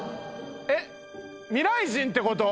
えっ未来人って事？